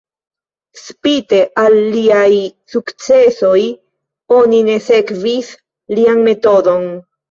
Spite al liaj sukcesoj, oni ne sekvis lian metodon.